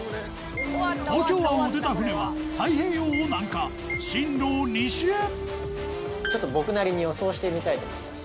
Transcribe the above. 東京湾を出た船は太平洋を南下針路を西へちょっと僕なりに予想してみたいと思います。